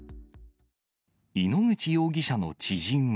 井ノ口容疑者の知人は。